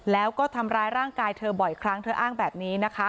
แล้วก็ทำร้ายร่างกายเธอบ่อยครั้งเธออ้างแบบนี้นะคะ